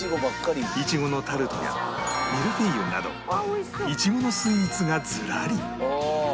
苺のタルトやミルフィーユなどイチゴのスイーツがずらり